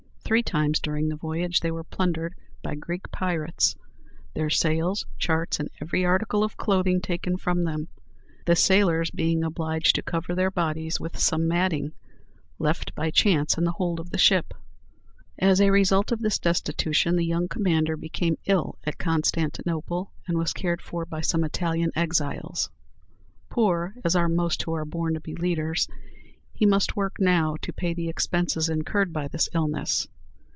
Three times during the voyage they were plundered by Greek pirates, their sails, charts, and every article of clothing taken from them, the sailors being obliged to cover their bodies with some matting, left by chance in the hold of the ship. As a result of this destitution, the young commander became ill at Constantinople, and was cared for by some Italian exiles. Poor, as are most who are born to be leaders, he must work now to pay the expenses incurred by this illness.